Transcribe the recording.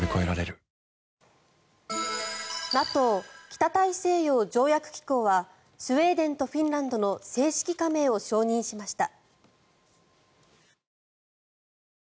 ＮＡＴＯ・北大西洋条約機構はスウェーデンとフィンランドの正式加盟を承認しました。